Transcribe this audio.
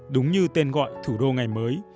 đúng như tên gọi thủ đô ngày mới